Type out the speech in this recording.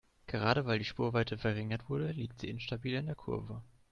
Gerade weil die Spurweite verringert wurde, liegt sie instabiler in der Kurve.